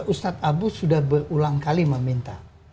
ustadz abu sudah berulang kali meminta